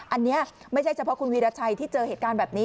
อันนี้ไม่ใช่เฉพาะคุณวีรชัยที่เจอเหตุการณ์แบบนี้